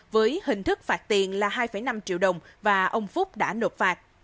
với hình thức phạt tiền là hai năm triệu đồng và ông phúc đã nộp phạt